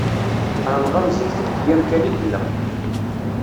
Ṛemḍan zik telt yam kan i yella.